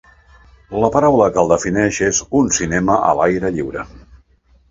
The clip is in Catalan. La paraula que el defineix és un cinema a l'aire lliure.